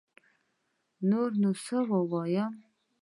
نور نو سه ووايم